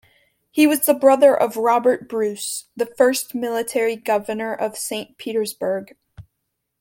He was the brother of Robert Bruce, the first military governor of Saint Petersburg.